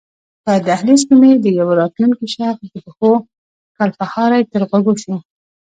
په دهلېز کې مې د یوه راتلونکي شخص د پښو کړپهاری تر غوږو شو.